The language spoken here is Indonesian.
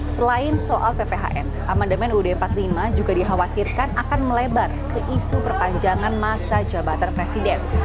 selain soal pphn amandemen ud empat puluh lima juga dikhawatirkan akan melebar ke isu perpanjangan masa jabatan presiden